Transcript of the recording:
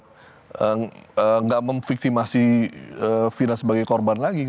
mereka enggak memviktimasi vina sebagai korban lagi